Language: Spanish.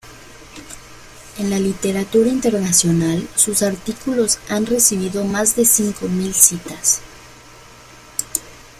En la literatura internacional sus artículos han recibido más de cinco mil citas.